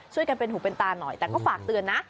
ช่วยกันเป็นหูเป็นตาหน่อยแต่ก็ฝากเตือนนะ